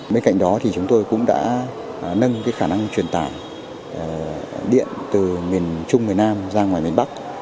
bên cạnh đó thì chúng tôi cũng đã nâng khả năng truyền tải điện từ miền trung miền nam ra ngoài miền bắc